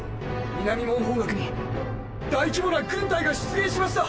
南門方角に大規模な軍隊が出現しました！